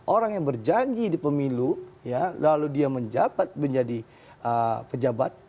orang yang berjanji di pemilu lalu dia menjabat menjadi pejabat